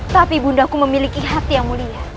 tapi bundaku memiliki hati yang mulia